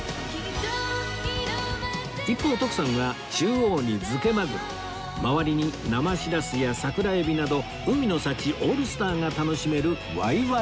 一方徳さんは中央に漬けマグロ周りに生シラスや桜エビなど海の幸オールスターが楽しめるわいわい丼